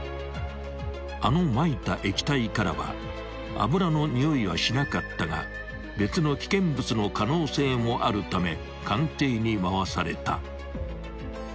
［あのまいた液体からは油のにおいはしなかったが別の危険物の可能性もあるため鑑定に回された］